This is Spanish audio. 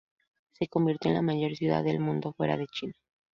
Se convirtió en la mayor ciudad del mundo, fuera de China.